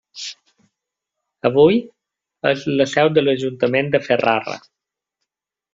Avui, és la seu de l'ajuntament de Ferrara.